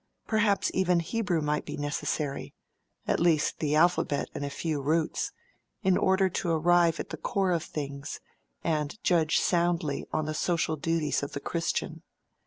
Perhaps even Hebrew might be necessary—at least the alphabet and a few roots—in order to arrive at the core of things, and judge soundly on the social duties of the Christian.